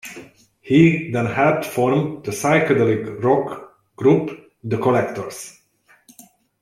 He then helped form the psychedelic rock group The Collectors.